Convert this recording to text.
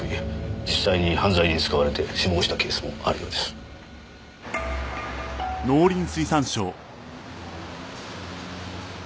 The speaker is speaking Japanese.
実際に犯罪に使われて死亡したケースもあるようです。